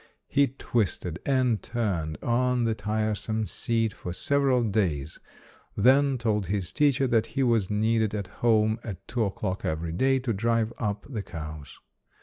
He twisted and turned on the tiresome seat for sev eral days, then told his teacher that he was needed at home at two o'clock every day to drive up the cows.